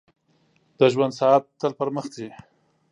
• د ژوند ساعت تل پر مخ ځي.